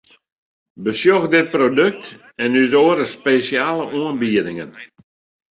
Besjoch dit produkt en ús oare spesjale oanbiedingen!